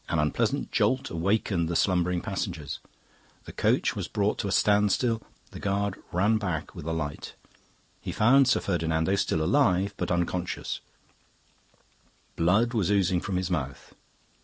An unpleasant jolt awakened the slumbering passengers. The coach was brought to a standstill; the guard ran back with a light. He found Sir Ferdinando still alive, but unconscious; blood was oozing from his mouth.